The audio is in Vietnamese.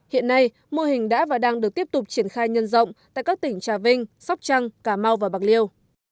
hiện nay mô hình đã và đang được tiếp tục triển khai nhân rộng tại các tỉnh trà vinh sóc trăng cà mau và bạc liêu